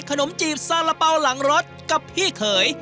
ขนมจีบซาระเบาหลังรถกับพี่เขย